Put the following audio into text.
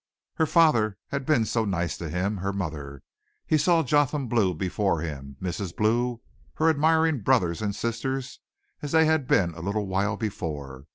Her father had been so nice to him her mother He saw Jotham Blue before him, Mrs. Blue, her admiring brothers and sisters, as they had been a little while before.